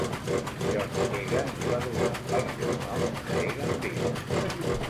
John Egan li va donar el seu nom a Eganville.